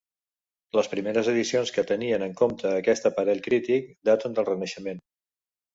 Les primeres edicions que tenien en compte aquest aparell crític daten del Renaixement.